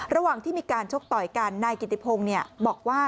ระหว่างที่มีการชกต่อยกันนายกิติพงศ์บอกว่า